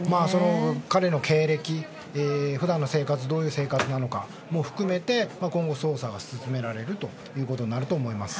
彼の経歴、普段の生活どういう生活なのかも含めて今後、捜査が進められるということになると思います。